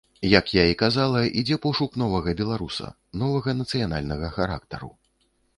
Як я і казала, ідзе пошук новага беларуса, новага нацыянальнага характару.